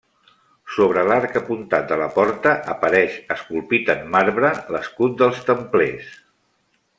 Sobre l'arc apuntat de la porta apareix, esculpit en marbre, l'escut dels Templers.